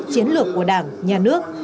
chiến lược của đảng nhà nước